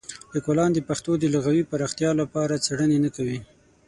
لیکوالان د پښتو د لغوي پراختیا لپاره څېړنې نه کوي.